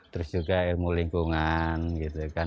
terus juga ilmu lingkungan gitu kan